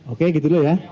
oke gitu dulu ya